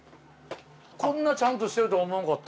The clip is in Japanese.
こんなちゃんとしてると思わんかった。